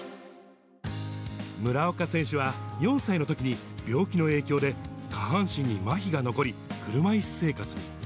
村岡選手は、４歳のときに病気の影響で下半身にまひが残り、車いす生活に。